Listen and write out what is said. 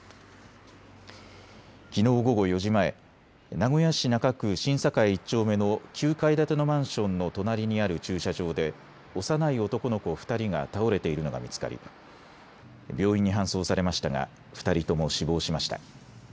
きのう午後４時前、名古屋市中区新栄１丁目の９階建てのマンションの隣にある駐車場で幼い男の子２人が倒れているのが見つかり病院に搬送されましたが２人とも死亡しました。